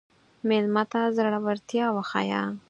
مېلمه ته زړورتیا وښیه.